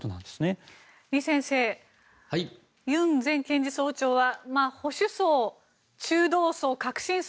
李先生、ユン前検事総長は保守層、中道層、革新層